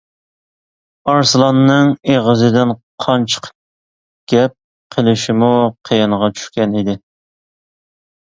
ئارسلاننىڭ ئېغىزىدىن قان چىقىپ گەپ قىلىشىمۇ قىيىنغا چۈشكەنىدى.